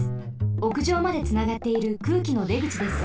おくじょうまでつながっている空気のでぐちです。